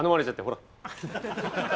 ほら！